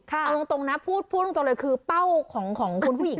เอาตรงนะพูดตรงเลยคือเป้าของคุณผู้หญิง